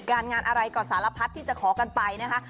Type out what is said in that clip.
งานอะไรก็สารพัดที่จะขอกันไปนะคะ